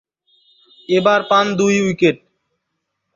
এবার পান দুই উইকেট।